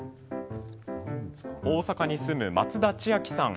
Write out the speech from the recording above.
大阪に住む松田千明さん。